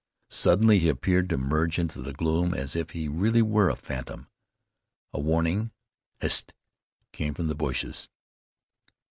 Suddenly he appeared to merge into the gloom as if he really were a phantom. A warning, "Hist!" came from the bushes.